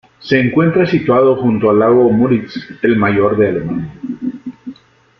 Se encuentra situado junto al lago Müritz, el mayor de Alemania.